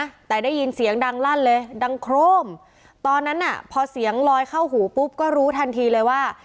แต่ได้ยินเสียงดังลั่นเลยดังโครมตอนนั้นน่ะพอเสียงลอยเข้าหูปุ๊บก็รู้ทันทีเลยว่า